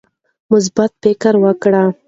مثبت فکر وکړئ.